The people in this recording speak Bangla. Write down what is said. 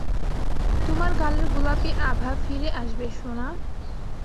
তোমার গালের গোলাপি আভা ফিরে আসবে, সোনা।